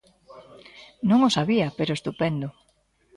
Non o sabía, pero estupendo.